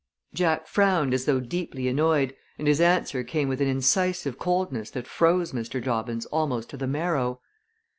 Jack frowned as though deeply annoyed, and his answer came with an incisive coldness that froze Mr. Dobbins almost to the marrow.